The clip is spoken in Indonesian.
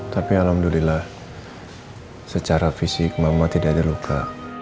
tapi alhamdulillah secara fisik mama tidak ada luka